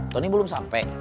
tony belum sampai